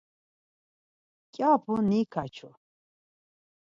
Mǩyapu nikaçu.